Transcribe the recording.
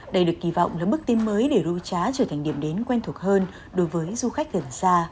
đây được kỳ vọng là bước tiến mới để ru trá trở thành điểm đến quen thuộc hơn đối với du khách gần xa